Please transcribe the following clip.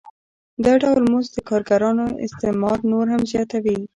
دا ډول مزد د کارګرانو استثمار نور هم زیاتوي